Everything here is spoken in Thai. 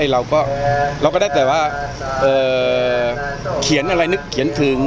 เราก็ได้แต่ว่าเขียนอะไรนึกเขียนถึง